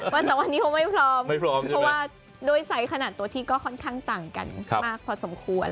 วันสองวันนี้เขาไม่พร้อมเพราะว่าโดยสายขนาดตัวที่ก็ค่อนข้างต่างกันมากพอสมควร